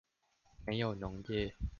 沒有農業